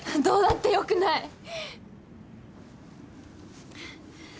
どうだってよくない！